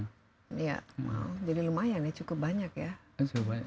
ya jadi lumayan ya cukup banyak ya